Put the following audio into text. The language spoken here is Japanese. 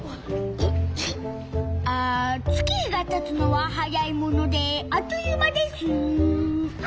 あ月日がたつのははやいものであっという間です。